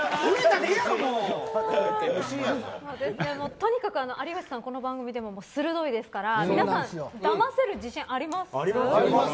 とにかく、有吉さんはこの番組でも鋭いですから皆さん、だませる自信あります？